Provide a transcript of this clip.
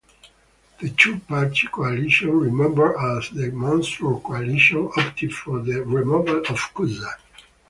The two-party coalition, remembered as "the monstrous coalition", opted for the removal of Cuza.